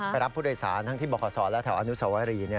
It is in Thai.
รับผู้โดยสารทั้งที่บขศและแถวอนุสวรี